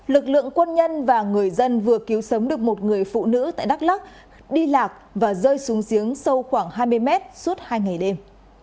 lực lượng quân nhân và người dân vừa cứu sống được một người phụ nữ tại đắk lắc đi lạc và rơi xuống giếng sâu khoảng hai mươi mét suốt hai ngày đêm